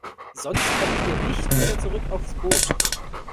Sonst kommt ihr nicht wieder zurück aufs Boot.